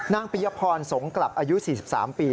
ปียพรสงกลับอายุ๔๓ปี